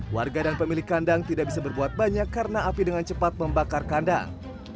warga dan pemilik kandang tidak bisa berbuat banyak karena api dengan cepat membakar kandang